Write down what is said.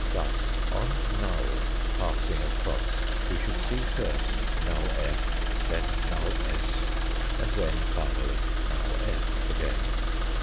Thus on null pass ing across we should see first null f., then null s., and then, finally, null f. again.